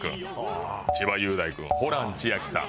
千葉雄大君ホラン千秋さん。